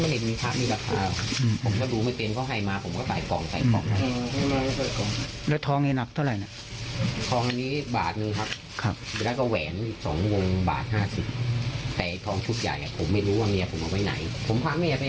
นี่แหละค่ะเพราะฉะนั้นนี่คือสิ่งที่เจ้าโจรมันเอาไปไม่ได้